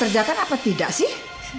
kerjakan apa tidak sih